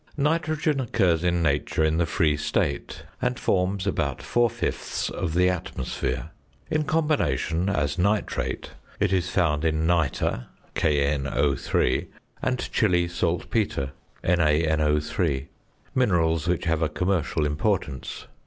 Nitrogen occurs in nature in the free state, and forms about four fifths of the atmosphere. In combination, as nitrate, it is found in nitre (KNO_), and Chili saltpetre (NaNO_), minerals which have a commercial importance.